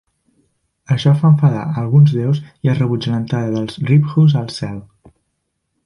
Això fa enfadar alguns deus i es rebutja l'entrada dels Ribhus al cel.